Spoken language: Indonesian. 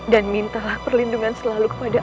dan mintalah perlindungan selalu kepada